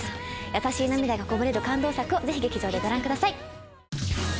優しい涙がこぼれる感動作をぜひ劇場でご覧ください。